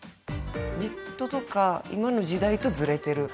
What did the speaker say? ネットとか今の時代とずれてる。